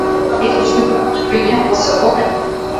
Nitachukua vitu vingi hapo sokoni